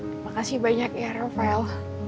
terima kasih banyak ya rafael